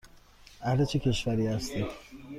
اهل چه کشوری هستی؟